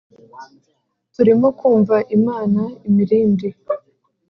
turimo kumva imana imirindi